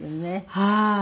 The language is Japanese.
はい。